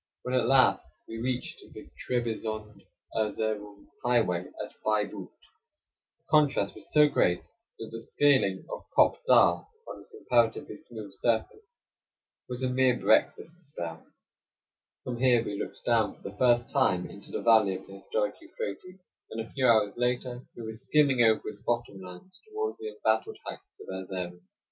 37 When at last we reached the Trebizond Erzerum highway at Baiboot, the contrast was so great that the scaling of Kop Dagh, on its comparatively smooth surface, was a mere breakfast spell. From here we looked down for the first time into the valley of the historic Euphrates, and a few hours later we were skimming over its bottom lands toward the embattled heights of Erzerum.